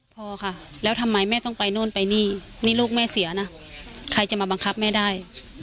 พอค่ะแล้วทำไมแม่ต้องไปโน่นไปนี่นี่ลูกแม่เสียนะใครจะมาบังคับแม่ได้